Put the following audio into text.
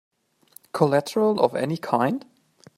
Collateral of any kind?